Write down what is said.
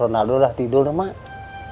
ragh ronaldo udah tidur dong maks